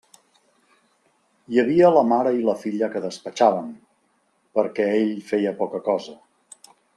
Hi havia la mare i la filla que despatxaven, perquè ell feia poca cosa.